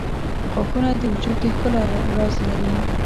• غاښونه د وجود د ښکلا راز لري.